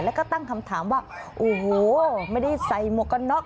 แล้วก็ตั้งคำถามว่าโอ้โหไม่ได้ใส่หมวกกันน็อก